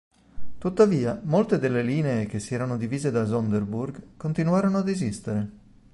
Tuttavia, molte delle linee che si erano divise da Sonderburg continuarono ad esistere.